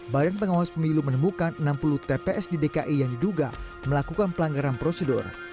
badan pengawas pemilu menemukan enam puluh tps di dki yang diduga melakukan pelanggaran prosedur